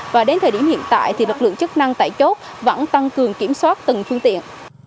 và đến thời điểm hiện tại thì lực lượng chức năng tại chốt vẫn tăng cường kiểm soát từng phương tiện